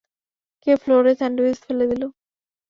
কে ফ্লোরে স্যান্ডউইচ ফেলে দিলো?